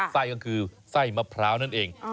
ไส้ก็คือไส้มะพร้าวนั่นเอง